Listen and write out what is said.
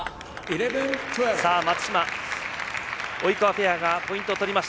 松島、及川ペアがポイントを取りました。